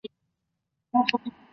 起初客人极少。